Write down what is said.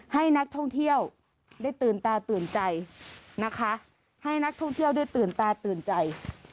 ให้นักท่องเที่ยวได้ตื่นตาตื่นใจนะคะให้นักท่องเที่ยวได้ตื่นตาตื่นใจ